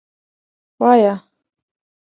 _وايه.